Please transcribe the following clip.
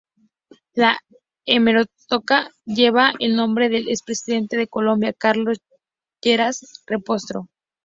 La hemeroteca lleva el nombre del expresidente de Colombia Carlos Lleras Restrepo.